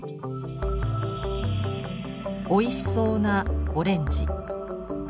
おいしそうなオレンジ。